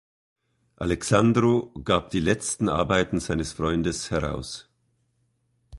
Alexandrow gab die letzten Arbeiten seines Freundes heraus.